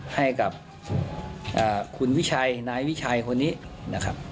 ให้กับคุณวิชัยนายวิชัยคนนี้นะครับ